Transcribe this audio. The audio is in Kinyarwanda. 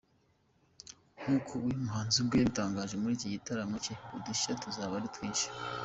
Nkuko uyu muhanzi ubwe yabitangaje, muri iki gitaramo cye udushya tuzaba ari twinshi.